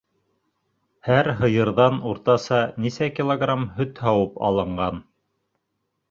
Һәр һыйырҙан уртаса нисә килограмм һөт һауып алынған?